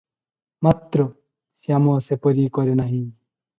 ମାତ୍ର ଶ୍ୟାମ ସେପରି କରେ ନାହିଁ ।